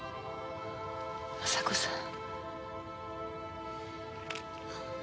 朝子さん。